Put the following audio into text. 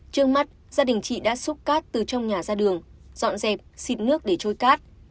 trước mắt gia đình chị đã xúc cát từ trong nhà ra đường dọn dẹp xịt nước để trôi cát